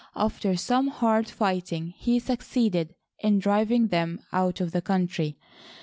After some hard fighting he succeeded in driving them out of the country.